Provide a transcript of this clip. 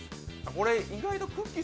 これ、意外とくっきー！